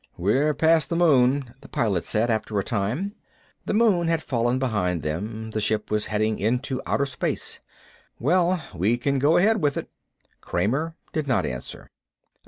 "We're past the moon," the Pilot said, after a time. The moon had fallen behind them; the ship was heading into outer space. "Well, we can go ahead with it." Kramer did not answer.